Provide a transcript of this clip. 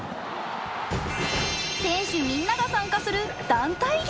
選手みんなが参加する団体芸！